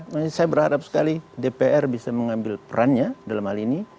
saya berharap sekali dpr bisa mengambil perannya dalam hal ini